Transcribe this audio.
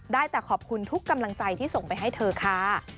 ได้แต่ขอบคุณทุกกำลังใจที่ส่งไปให้เธอค่ะ